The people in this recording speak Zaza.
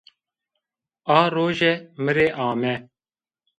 A roje mi rê ame